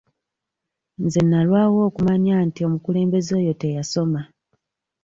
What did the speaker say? Nze nnalwawo okumanya nti omukulembeze oyo teyasoma.